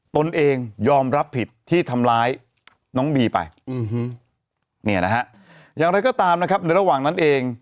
ตนเองยอมรับผิดที่ทำร้ายน้องบีไปเนี่ยนะฮะอย่างไรก็ตามนะครับในระหว่างนั้นเอง